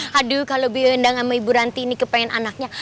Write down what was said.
haduh kalau biar rendang sama ibu ranti ini kepingin anaknya